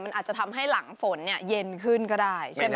มันอาจจะทำให้หลังฝนเย็นขึ้นก็ได้ใช่ไหม